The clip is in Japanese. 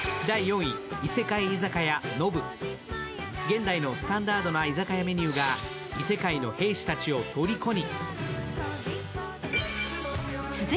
現在のスタンダードな居酒屋メニューが異世界の兵士たちをとりこに。